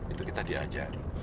itu kita diajari